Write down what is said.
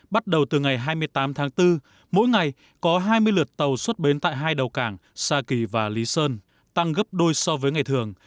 bắt đầu từ ngày hai mươi tám tháng bốn mỗi ngày có hai mươi lượt tàu xuất bến tại hai đầu cảng sa kỳ và lý sơn tăng gấp đôi so với ngày thường